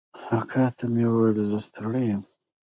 اکا ته مې وويل زه ستړى يم.